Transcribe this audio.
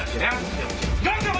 jangan kebetulan punya kenalan siapa